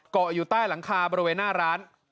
เกาะอยู่ใต้หลังคาบริเวณหน้าร้าน